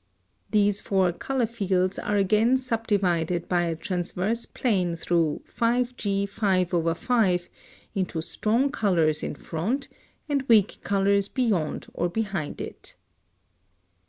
These four color fields are again subdivided by a transverse plane through 5G 5/5 into strong colors in front and weak colors beyond or behind it.